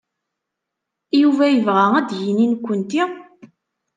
Yuba yebɣa ad d-yini nekkenti?